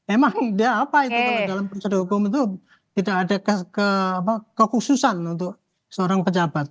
emang dia apa itu kalau dalam proses hukum itu tidak ada kekhususan untuk seorang pejabat